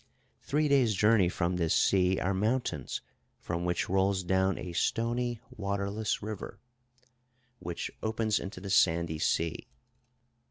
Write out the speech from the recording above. Three days' journey from this sea are mountains from which rolls down a stony, waterless river, which opens into the sandy sea.